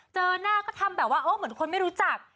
เจอหน้าก็ทำแบบว่าเหมือนคนไม่รู้จัก